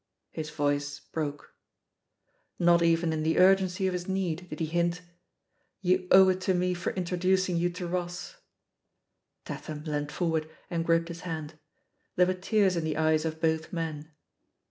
'His voice broke. Not even in the urgency of his need did he hint, "You owe it to me for introducing you to Rossi" Tatham leant forward and gripped his hand. There were tears in the eyes of both men.